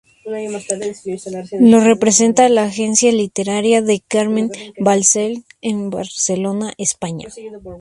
Lo representa la agencia literaria de Carmen Balcells, en Barcelona, España.